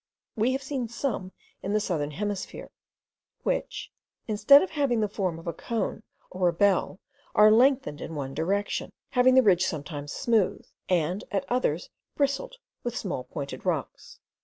We have seen some in the southern hemisphere, which, instead of having the form of a cone or a bell, are lengthened in one direction, having the ridge sometimes smooth, and at others bristled with small pointed rocks.